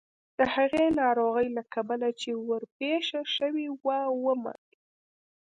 د هغې ناروغۍ له کبله چې ورپېښه شوې وه ومړ.